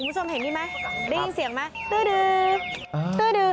คุณผู้ชมเห็นดีไหมได้ยินเสียงไหม